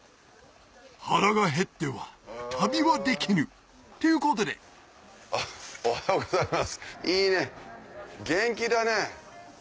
腹が減っては旅はできぬということでおはようございますいいね元気だね。